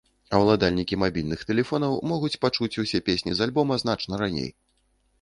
А ўладальнікі мабільных тэлефонаў могуць пачуць усе песні з альбома значна раней.